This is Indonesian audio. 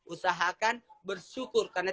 usahakan bersyukur karena